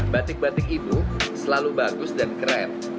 batik batik itu selalu bagus dan keren